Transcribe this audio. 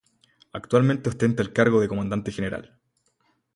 Actualmente ostenta el cargo de comandante general.